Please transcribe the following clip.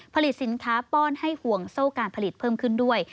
ผลิตสินค้าป้อนให้ห่วงโซ่การผลิตเพิ่มขึ้นด้วย